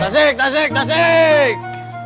tasik tasik tasik